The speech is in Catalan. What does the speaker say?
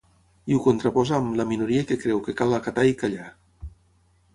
I ho contraposa amb ‘la minoria que creu que cal acatar i callar’.